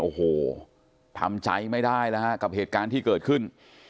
โอ้โหทำใจไม่ได้แล้วฮะกับเหตุการณ์ที่เกิดขึ้น